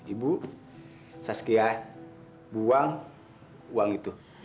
ibu sas kia buang uang itu